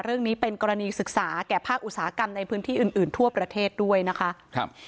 เรื่องนี้เป็นกรณีศึกษาแก่ภาคอุตสาหกรรมในพื้นที่อื่นอื่นทั่วประเทศด้วยนะคะครับ